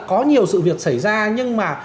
có nhiều sự việc xảy ra nhưng mà